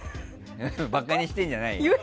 馬鹿にしてんじゃないよ。